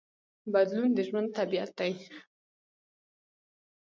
بدلون د ژوند طبیعت دی.